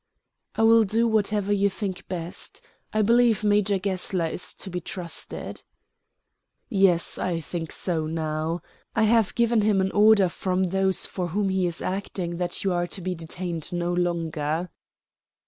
"I will do whatever you think best. I believe Major Gessler is to be trusted." "Yes, I think so now. I have given him an order from those for whom he is acting that you are to be detained no longer."